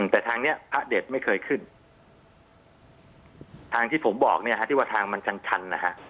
แต่ทางนี้พระเด็ดไม่เคยขึ้นทางที่ผมบอกเนี่ยฮะที่ว่าทางมันชันนะฮะ